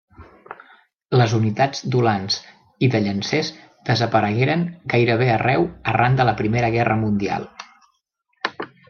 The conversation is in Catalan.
Les unitats d'ulans i de llancers desaparegueren gairebé arreu arran de la Primera Guerra Mundial.